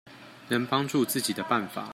能幫助自己的辦法